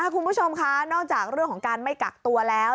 คุณผู้ชมคะนอกจากเรื่องของการไม่กักตัวแล้ว